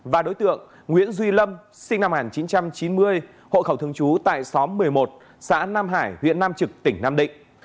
và đối tượng nguyễn duy lâm sinh năm một nghìn chín trăm chín mươi hộ khẩu thường trú tại xóm một mươi một xã nam hải huyện nam trực tỉnh nam định